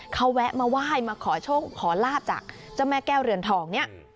เขาแวะมาไหว้มาขอโชคขอลาบจากเจ้าแม่แก้วเรือนทองเนี่ย